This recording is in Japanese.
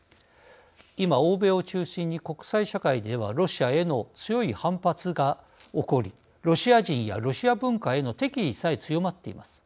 今、欧米を中心に国際社会ではロシアへの強い反発が起こりロシア人やロシア文化への敵意さえ強まっています。